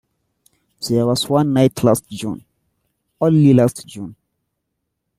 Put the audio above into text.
There was one night last June — only last June!